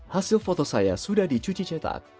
hasil foto saya sudah dicuci cetak